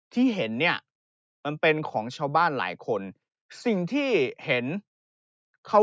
ที่เห็นเนี่ยมันเป็นของชาวบ้านหลายคนสิ่งที่เห็นเขา